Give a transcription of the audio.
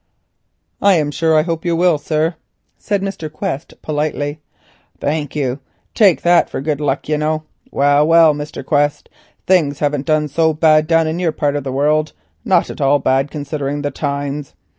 "I am sure I hope you will, sir," said Mr. Quest politely. "Thank you; take that for good luck, you know. Well, well, Mr. Quest, things haven't done so bad down in your part of the world; not at all bad considering the times.